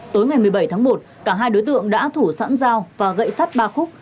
tối ngày một mươi bảy tháng một cả hai đối tượng đã thủ sẵn dao và gậy sắt ba khúc